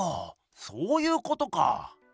そういうことか。